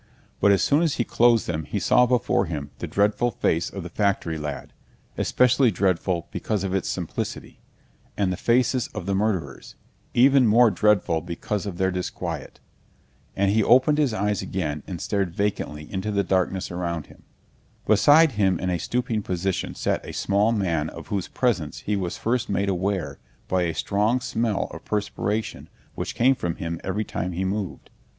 But as soon as he closed them he saw before him the dreadful face of the factory lad—especially dreadful because of its simplicity—and the faces of the murderers, even more dreadful because of their disquiet. And he opened his eyes again and stared vacantly into the darkness around him. Beside him in a stooping position sat a small man of whose presence he was first made aware by a strong smell of perspiration which came from him every time he moved.